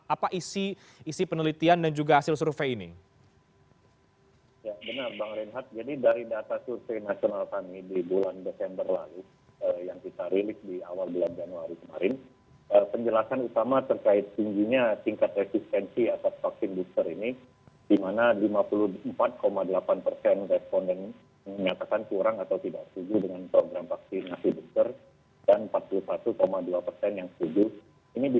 apa isi penelitian dan juga hasil survei ini